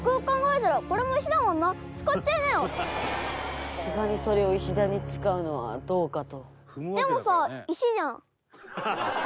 さすがにそれを石段に使うのはどうかと。